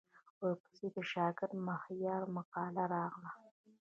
ورپسې د شاکر مهریار مقاله راغله.